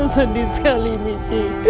tante sedih sekali michi